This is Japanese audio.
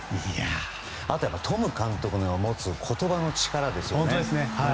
あと、トム監督の持つ言葉の力ですよね。